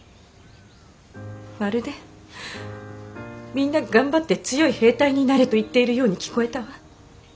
まるで「みんな頑張って強い兵隊になれ」と言っているように聞こえたわ。